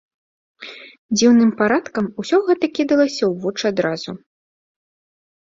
Дзіўным парадкам усё гэта кідалася ў вочы адразу.